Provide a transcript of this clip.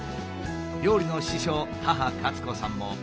料理の師匠母カツ子さんも。